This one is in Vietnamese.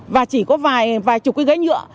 và chỉ có vài chục cái ghế nhựa